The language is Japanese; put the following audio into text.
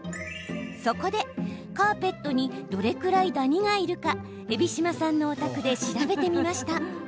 そこで、カーペットにどれくらいダニがいるか海老島さんのお宅で調べてみました。